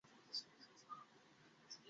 অবশেষে তারা নাখলা নামক স্থানে পৌঁছলেন।